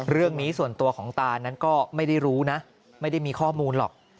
เรื่องนี้ส่วนตัวของตานั้นก็ไม่ได้รู้นะไม่ได้มีข้อมูลหรอก